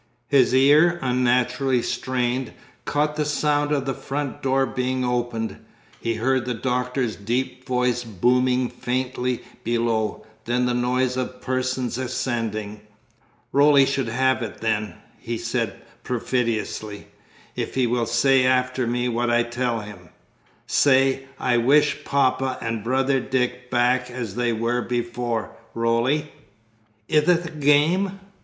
His ear, unnaturally strained, caught the sound of the front door being opened, he heard the Doctor's deep voice booming faintly below, then the noise of persons ascending. "Roly shall have it, then," he said perfidiously, "if he will say after me what I tell him. Say, 'I wish Papa and Brother Dick back as they were before,' Roly." "Ith it a game?"